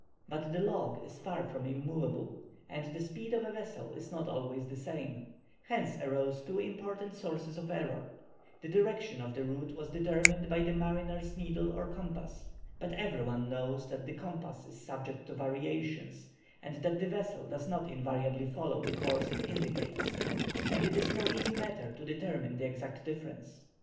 But the log is far from immoveable, and the speed of a vessel is not always the same, hence arose two important sources of error. The direction of the route was determined by the mariner's needle or compass. But every one knows that the compass is subject to variations, and that the vessel does not invariably follow the course it indicates, and it is no easy matter to determine the exact difference.